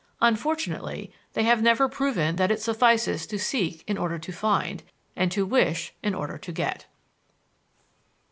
Unfortunately, they have never proven that it suffices to seek in order to find, and to wish in order to get.